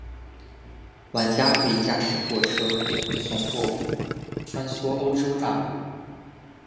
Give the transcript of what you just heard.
玩家可以驾驶货车运送货物穿梭欧洲大陆。